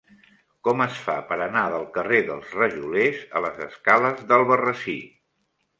Com es fa per anar del carrer dels Rajolers a les escales d'Albarrasí?